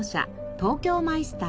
東京マイスター。